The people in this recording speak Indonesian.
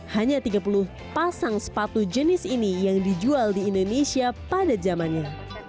hanya tiga puluh pasang sepatu jenis ini yang dijual di indonesia pada zamannya